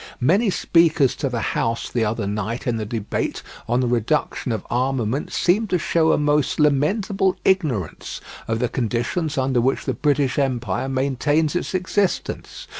"Many speakers to the House the other night in the debate on the reduction of armaments seemed to show a most lamentable ignorance of the conditions under which the British Empire maintains its existence.